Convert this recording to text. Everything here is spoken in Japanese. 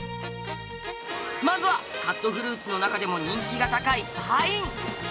まずはカットフルーツの中でも人気が高いパイン。